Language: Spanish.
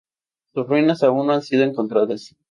Sus ruinas aún no han sido encontradas.